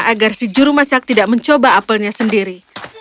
agar si juru masak tidak mencoba apelnya sendiri